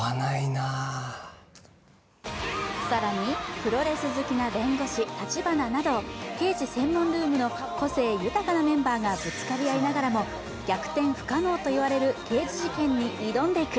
プロレス好きな弁護士・立花など刑事専門ルームの個性豊かなメンバーがぶつかり合いながらも逆転不可能といわれる刑事事件に挑んでいく。